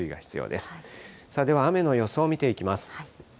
では雨の予想見ていきます。